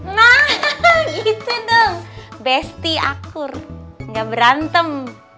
nah gitu dong besti akur gak berantem